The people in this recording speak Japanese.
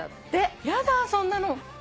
やだそんなの。